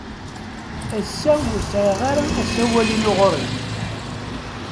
Ass-a, ur sɛiɣ ara asawal-inu ɣer-i.